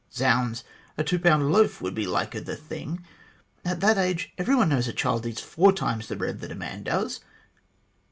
Zounds ! a two pound loaf would be liker the thing. At that age every one knows a child eats four times the bread that a man does.